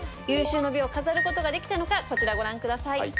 有終の美を飾ることができたのかこちらご覧ください。